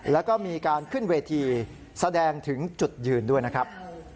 แล้วก็มีการขึ้นเวทีแสดงถึงจุดยืนด้วยนะครับ